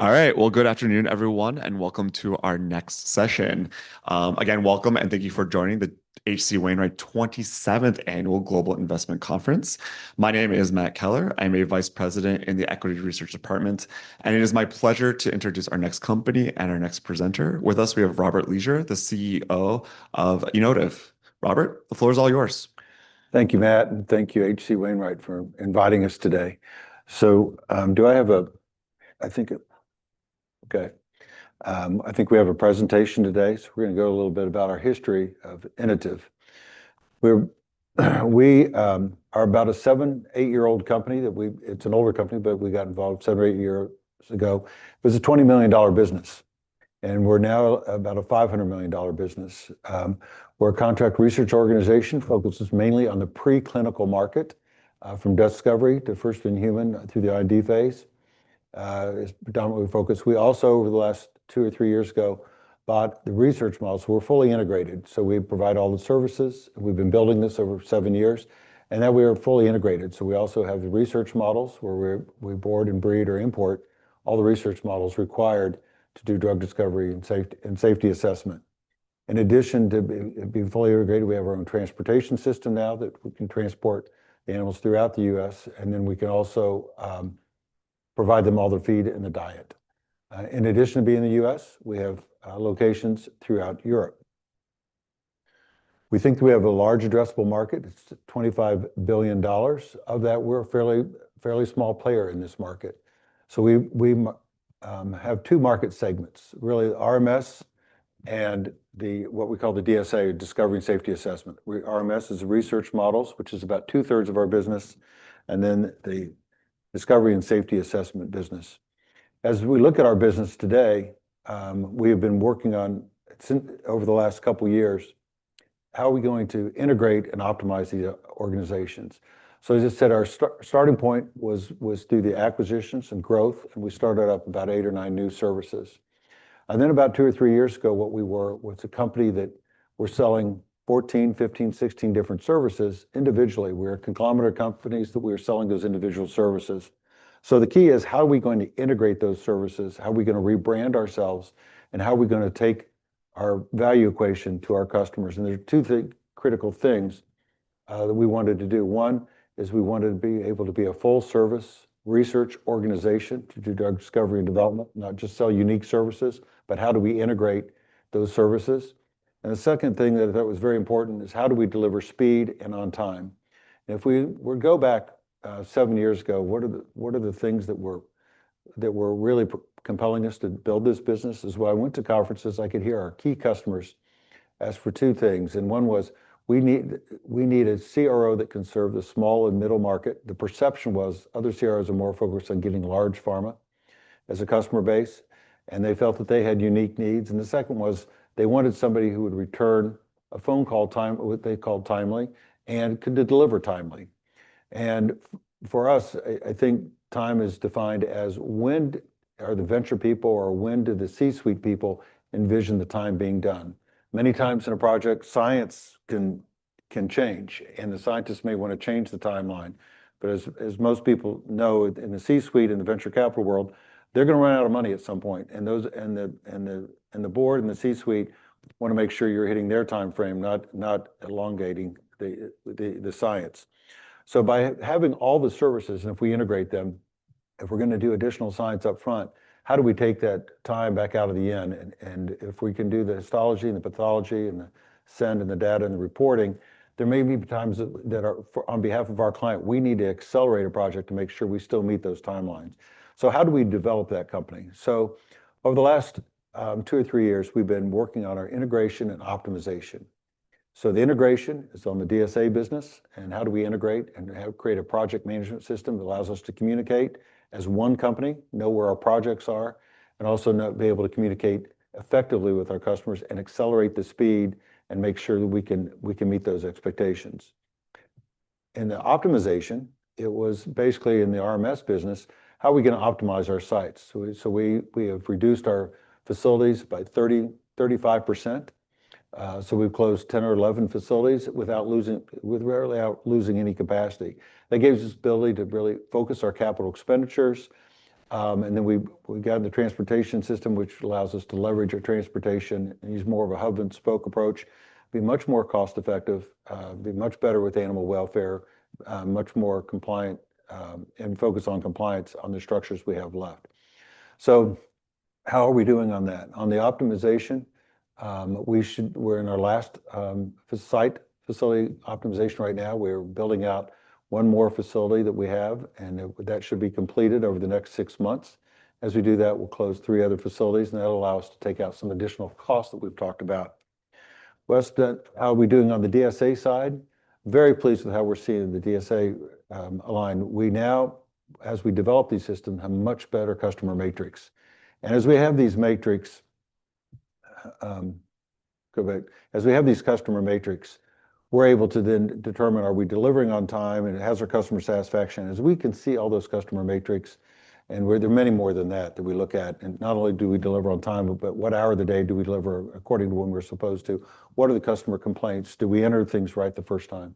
All right, well, good afternoon, everyone, and welcome to our next session. Again, welcome, and thank you for joining the H.C. Wainwright 27th Annual Global Investment Conference. My name is Matt Keller. I'm a Vice President in the Equity Research Department, and it is my pleasure to introduce our next company and our next presenter. With us, we have Robert Leasure, the CEO of Inotiv. Robert, the floor is all yours. Thank you, Matt, and thank you, H.C. Wainwright, for inviting us today. I think we have a presentation today, so we're going to go a little bit about our history of Inotiv. We're about a seven, eight-year-old company that it's an older company, but we got involved seven or eight years ago. It was a $20 million business, and we're now about a $500 million business. We're a contract research organization focused mainly on the preclinical market, from discovery to first in human through the IND phase. It's predominantly focused. We also, over the last two or three years ago, bought the research models. We're fully integrated, so we provide all the services. We've been building this over seven years, and then we are fully integrated. So we also have the research models where we board and breed or import all the research models required to do drug discovery and safety and safety assessment. In addition to being fully integrated, we have our own transportation system now that we can transport the animals throughout the U.S., and then we can also provide them all the feed and the diet. In addition to being in the U.S., we have locations throughout Europe. We think we have a large addressable market. It's $25 billion. Of that, we're a fairly small player in this market. So we have two market segments, really: RMS and the what we call the DSA, Discovery and Safety Assessment. RMS is Research Models, which is about two-thirds of our business, and then the Discovery and Safety Assessment business. As we look at our business today, we have been working on, since over the last couple of years, how are we going to integrate and optimize these organizations? So, as I said, our starting point was through the acquisitions and growth, and we started up about eight or nine new services. And then about two or three years ago, what we were was a company that we're selling 14, 15, 16 different services individually. We're a conglomerate of companies that we are selling those individual services. So the key is, how are we going to integrate those services? How are we going to rebrand ourselves? And how are we going to take our value equation to our customers? And there are two critical things that we wanted to do. One is we wanted to be able to be a full-service research organization to do drug discovery and development, not just sell unique services, but how do we integrate those services? The second thing that I thought was very important is how do we deliver speed and on time. If we were to go back seven years ago, what are the things that were really compelling us to build this business? As well, I went to conferences. I could hear our key customers ask for two things, and one was we need a CRO that can serve the small and middle market. The perception was other CROs are more focused on getting large pharma as a customer base, and they felt that they had unique needs. And the second was they wanted somebody who would return a phone call time, what they called timely, and could deliver timely. And for us, I think time is defined as when are the venture people or when do the C-suite people envision the time being done. Many times in a project, science can change, and the scientists may want to change the timeline, but as most people know, in the C-suite and the venture capital world, they're going to run out of money at some point. And the board and the C-suite want to make sure you're hitting their timeframe, not elongating the science. So by having all the services, and if we integrate them, if we're going to do additional science upfront, how do we take that time back out of the end? And if we can do the histology and the pathology and the SEND and the data and the reporting, there may be times that are, on behalf of our client, we need to accelerate a project to make sure we still meet those timelines. So how do we develop that company? So over the last two or three years, we've been working on our integration and optimization. So the integration is on the DSA business, and how do we integrate and create a project management system that allows us to communicate as one company, know where our projects are, and also be able to communicate effectively with our customers and accelerate the speed and make sure that we can meet those expectations. In the optimization, it was basically in the RMS business. How are we going to optimize our sites? We have reduced our facilities by 30-35%. So we've closed 10 or 11 facilities without losing, with rarely losing any capacity. That gives us the ability to really focus our capital expenditures, and then we got the transportation system, which allows us to leverage our transportation and use more of a hub-and-spoke approach, be much more cost-effective, be much better with animal welfare, much more compliant, and focus on compliance on the structures we have left. How are we doing on that? On the optimization, we're in our last site facility optimization right now. We're building out one more facility that we have, and that should be completed over the next six months. As we do that, we'll close three other facilities, and that'll allow us to take out some additional costs that we've talked about. Next, how are we doing on the DSA side? Very pleased with how we're seeing the DSA align. We now, as we develop these systems, have a much better customer metrics. And as we have these metrics, as we have these customer metrics, we're able to then determine, are we delivering on time and has our customer satisfaction? As we can see all those customer metrics, and there are many more than that that we look at, and not only do we deliver on time, but what hour of the day do we deliver according to when we're supposed to? What are the customer complaints? Do we enter things right the first time?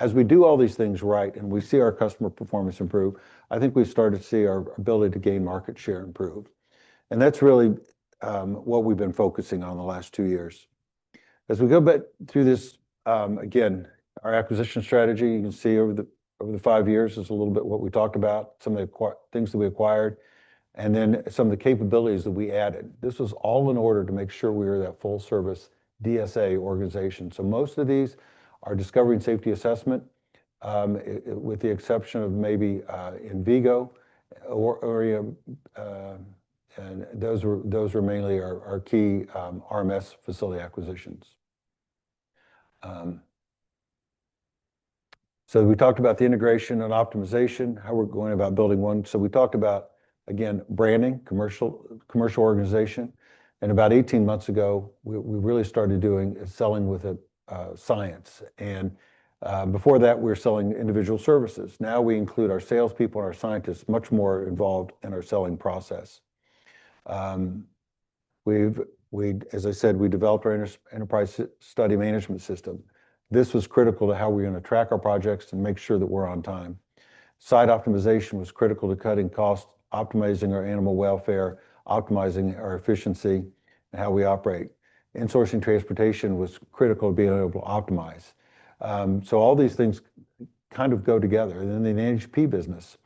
As we do all these things right and we see our customer performance improve, I think we've started to see our ability to gain market share improve. And that's really what we've been focusing on the last two years. As we go back through this, again, our acquisition strategy, you can see over the five years is a little bit what we talk about, some of the things that we acquired, and then some of the capabilities that we added. This was all in order to make sure we were that full-service DSA organization. So most of these are discovery and safety assessment, with the exception of maybe Envigo or and those were mainly our key RMS facility acquisitions. So we talked about the integration and optimization, how we're going about building one. So we talked about, again, branding, commercial organization. And about 18 months ago, we really started doing is selling with science. And before that, we were selling individual services. Now we include our salespeople and our scientists much more involved in our selling process. As I said, we developed our enterprise study management system. This was critical to how we're going to track our projects and make sure that we're on time. Site optimization was critical to cutting costs, optimizing our animal welfare, optimizing our efficiency, and how we operate. Insourcing transportation was critical to being able to optimize, so all these things kind of go together, and then the NHP business.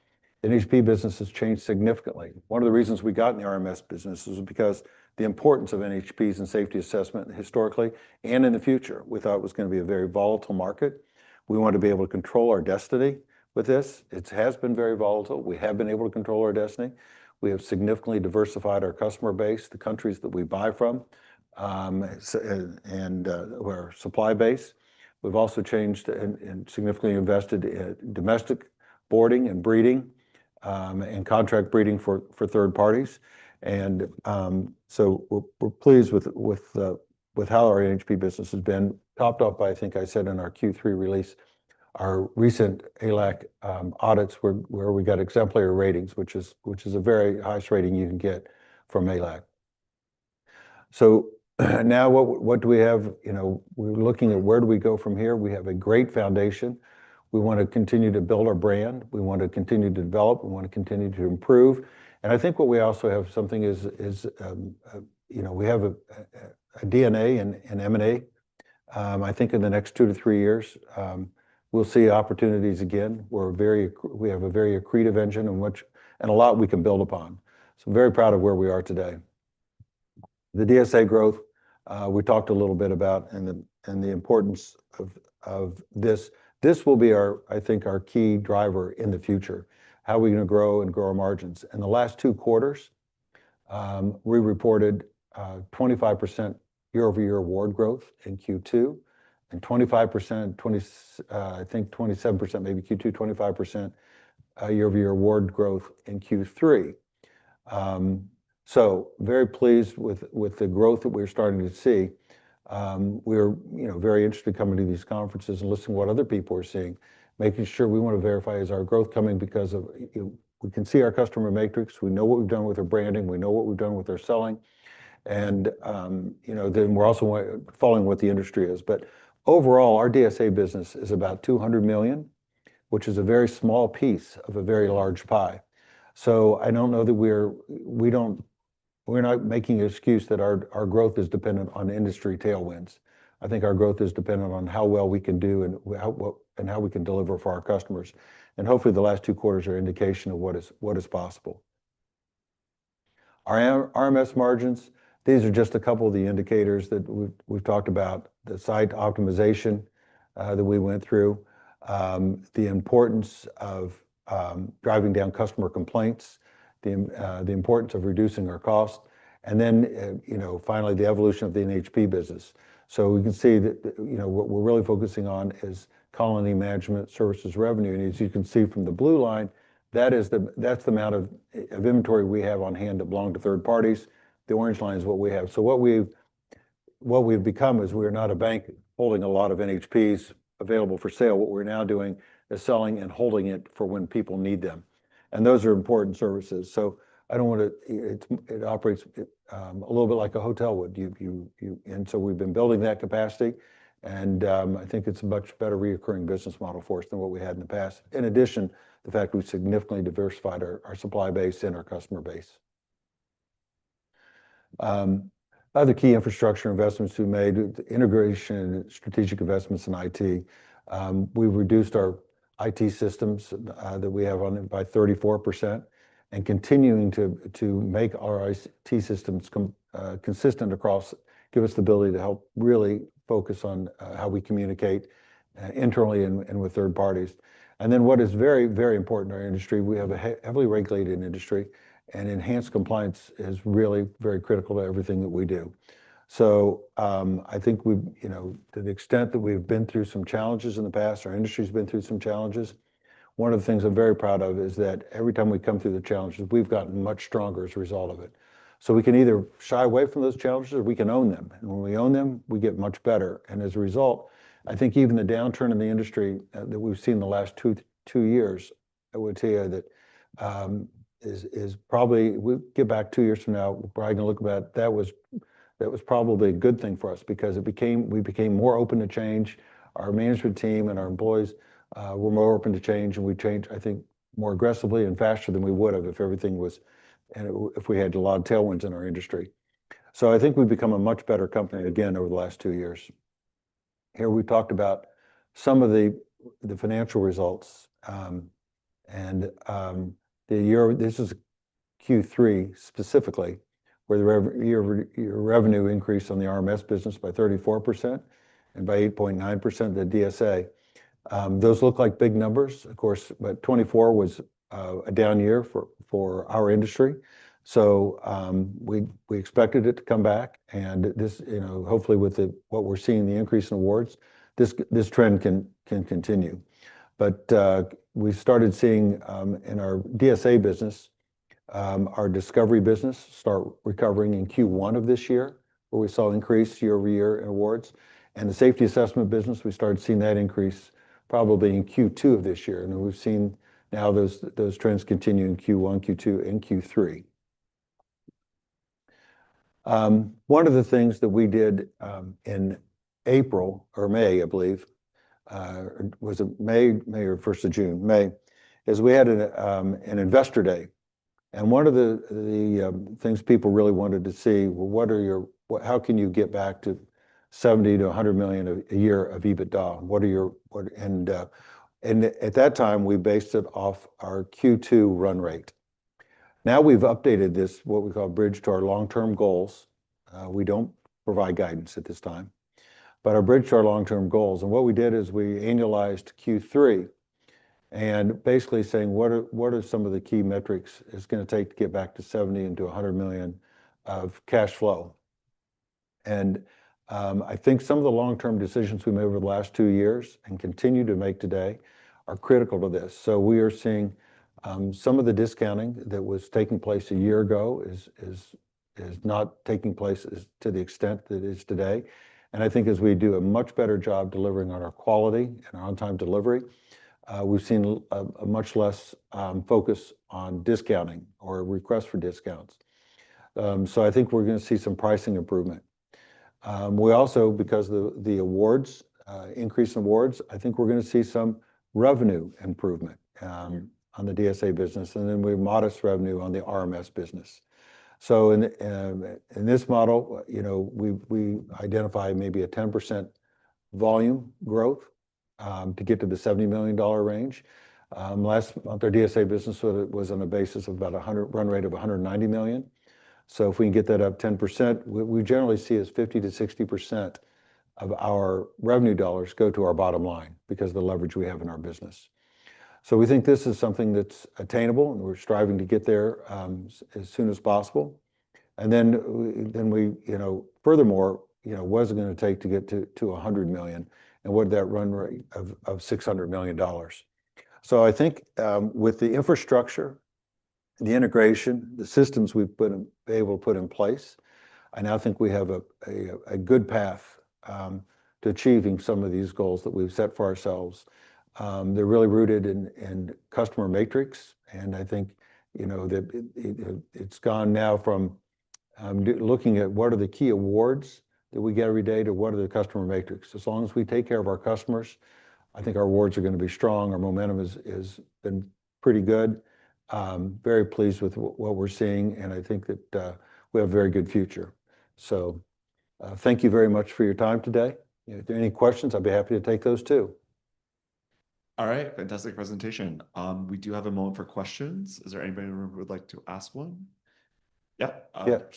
The NHP business has changed significantly. One of the reasons we got in the RMS business is because the importance of NHPs and safety assessment historically and in the future, we thought it was going to be a very volatile market. We want to be able to control our destiny with this. It has been very volatile. We have been able to control our destiny. We have significantly diversified our customer base, the countries that we buy from, and our supply base. We've also changed and significantly invested in domestic boarding and breeding, and contract breeding for third parties. And so we're pleased with how our NHP business has been. Topped off by, I think I said in our Q3 release, our recent AAALAC audits where we got exemplary ratings, which is a very highest rating you can get from AAALAC. So now what do we have, you know, we're looking at where do we go from here? We have a great foundation. We want to continue to build our brand. We want to continue to develop. We want to continue to improve. And I think what we also have something is, you know, we have a DNA and M&A. I think in the next two to three years, we'll see opportunities again. We're very, we have a very accretive engine and much, and a lot we can build upon. So I'm very proud of where we are today. The DSA growth, we talked a little bit about, and the importance of this. This will be our, I think, our key driver in the future. How are we going to grow and grow our margins? In the last two quarters, we reported 25% year-over-year award growth in Q2 and 25%, I think 27% maybe in Q3. So very pleased with the growth that we're starting to see. We're, you know, very interested in coming to these conferences and listening to what other people are seeing, making sure we want to verify is our growth coming because of, you know, we can see our customer metrics. We know what we've done with our branding. We know what we've done with our selling. And, you know, then we're also following what the industry is. But overall, our DSA business is about $200 million, which is a very small piece of a very large pie. So I don't know that we're, we don't, we're not making an excuse that our, our growth is dependent on industry tailwinds. I think our growth is dependent on how well we can do and how, what, and how we can deliver for our customers. And hopefully the last two quarters are an indication of what is, what is possible. Our RMS margins, these are just a couple of the indicators that we've talked about, the site optimization that we went through, the importance of driving down customer complaints, the importance of reducing our cost, and then, you know, finally the evolution of the NHP business. So we can see that, you know, what we're really focusing on is colony management services revenue. And as you can see from the blue line, that is the, that's the amount of inventory we have on hand that belong to third parties. The orange line is what we have. So what we've become is we're not a bank holding a lot of NHPs available for sale. What we're now doing is selling and holding it for when people need them. And those are important services. It operates a little bit like a hotel would, you and so we've been building that capacity, and I think it's a much better recurring business model for us than what we had in the past. In addition, the fact we've significantly diversified our supply base and our customer base. Other key infrastructure investments we've made, integration and strategic investments in IT. We've reduced our IT systems that we have down by 34% and continuing to make our IT systems consistent across give us the ability to help really focus on how we communicate internally and with third parties, and then what is very, very important in our industry, we have a heavily regulated industry and enhanced compliance is really very critical to everything that we do. I think we, you know, to the extent that we've been through some challenges in the past, our industry has been through some challenges. One of the things I'm very proud of is that every time we come through the challenges, we've gotten much stronger as a result of it. We can either shy away from those challenges or we can own them. When we own them, we get much better. As a result, I think even the downturn in the industry that we've seen the last two years, I would tell you that is probably we get back two years from now, we're probably going to look at that. That was probably a good thing for us because we became more open to change. Our management team and our employees were more open to change and we changed, I think, more aggressively and faster than we would have if everything was and if we had a lot of tailwinds in our industry. So I think we've become a much better company again over the last two years. Here we talked about some of the financial results, and the year, this is Q3 specifically, where the revenue increased on the RMS business by 34% and by 8.9% of the DSA. Those look like big numbers, of course, but 2024 was a down year for our industry. So we expected it to come back and this, you know, hopefully with what we're seeing, the increase in awards, this trend can continue. We started seeing, in our DSA business, our discovery business start recovering in Q1 of this year, where we saw increase year-over-year in awards. And the safety assessment business, we started seeing that increase probably in Q2 of this year. And we've seen now those trends continue in Q1, Q2, and Q3. One of the things that we did, in April or May, I believe, was in May or first of June. We had an investor day. And one of the things people really wanted to see was, what are your, what, how can you get back to $70-100 million a year of EBITDA? What are your, what, and at that time we based it off our Q2 run rate. Now we've updated this, what we call bridge to our long-term goals. We don't provide guidance at this time, but our bridge to our long-term goals. What we did is we annualized Q3 and basically saying, what are some of the key metrics it's going to take to get back to $70 million-$100 million of cash flow? I think some of the long-term decisions we made over the last two years and continue to make today are critical to this. We are seeing some of the discounting that was taking place a year ago is not taking place to the extent that it is today. I think as we do a much better job delivering on our quality and our on-time delivery, we've seen much less focus on discounting or requests for discounts. I think we're going to see some pricing improvement. We also, because the increase in awards, I think we're going to see some revenue improvement on the DSA business and then we have modest revenue on the RMS business. So in this model, you know, we identify maybe a 10% volume growth to get to the $70 million range. Last month our DSA business was on a run rate basis of about $190 million. So if we can get that up 10%, we generally see 50%-60% of our revenue dollars go to our bottom line because of the leverage we have in our business. So we think this is something that's attainable and we're striving to get there as soon as possible. Then we, you know, furthermore, you know, what's it going to take to get to 100 million and what did that run rate of $600 million? So I think, with the infrastructure, the integration, the systems we've been able to put in place, I now think we have a good path to achieving some of these goals that we've set for ourselves. They're really rooted in customer metrics. I think, you know, that it's gone now from looking at what are the key awards that we get every day to what are the customer metrics. As long as we take care of our customers, I think our awards are going to be strong. Our momentum has been pretty good. Very pleased with what we're seeing. I think that we have a very good future. So, thank you very much for your time today. If there are any questions, I'd be happy to take those too. All right. Fantastic presentation. We do have a moment for questions. Is there anybody who would like to ask one? Yep.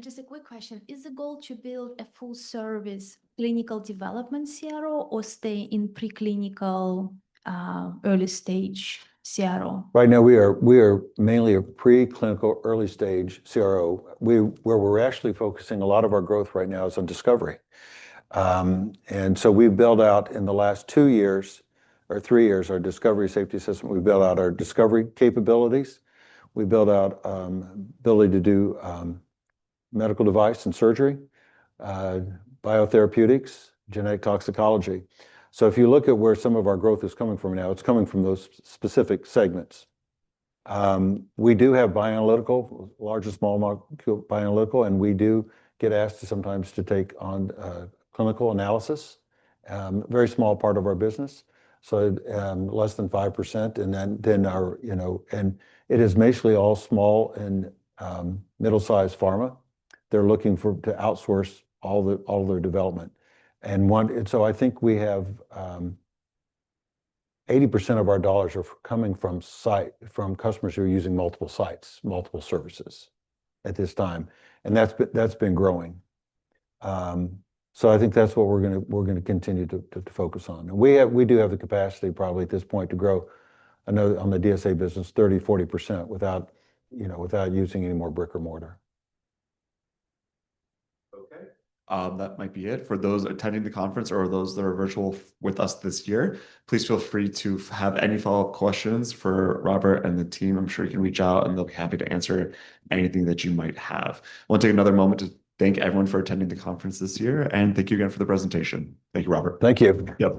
Just a quick question. Is the goal to build a full-service clinical development CRO or stay in preclinical, early stage CRO? Right now we are mainly a preclinical early stage CRO. We, where we're actually focusing a lot of our growth right now is on discovery, and so we've built out in the last two years or three years our discovery safety system. We built out our discovery capabilities. We built out ability to do medical device and surgery, biotherapeutics, genetic toxicology. So if you look at where some of our growth is coming from now, it's coming from those specific segments. We do have bioanalytical, large and small molecule bioanalytical, and we do get asked sometimes to take on clinical analysis, very small part of our business. So, less than 5%. And then our, you know, and it is mostly all small and middle-sized pharma. They're looking for to outsource all of their development. And so I think we have 80% of our dollars are coming from sites, from customers who are using multiple sites, multiple services at this time. And that's been growing. I think that's what we're going to continue to focus on. And we have, we do have the capacity probably at this point to grow another 30-40% on the DSA business without, you know, without using any more bricks and mortar. Okay. That might be it for those attending the conference or those that are virtual with us this year. Please feel free to have any follow-up questions for Robert and the team. I'm sure you can reach out and they'll be happy to answer anything that you might have. I want to take another moment to thank everyone for attending the conference this year, and thank you again for the presentation. Thank you, Robert. Thank you. Yep.